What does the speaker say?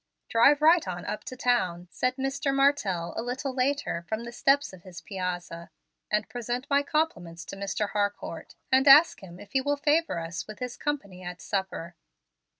"Drive right on up to town," said Mr. Martell, a little later, from the steps of his piazza, "and present my compliments to Mr. Harcourt, and ask him if he will favor us with his company at supper."